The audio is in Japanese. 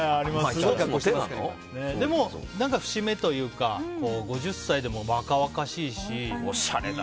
でも、何か節目というか５０歳でも若々しいし。